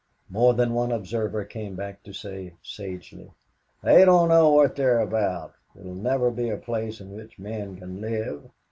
More than one observer came back to say, sagely, "They don't know what they are about. It will never be a place in which men can live.